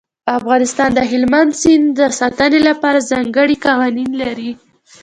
افغانستان د هلمند سیند د ساتنې لپاره ځانګړي قوانین لري.